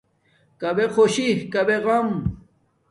کھبے خوشی کھبے غم